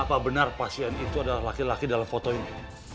apakah benar pasien itu adalah laki laki dalam foto ini